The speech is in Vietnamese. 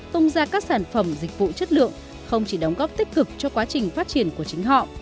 tung ra các sản phẩm dịch vụ chất lượng không chỉ đóng góp tích cực cho quá trình phát triển của chính họ